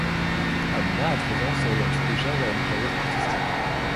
Amina, à treize ans, s'oriente déjà vers une carrière artistique.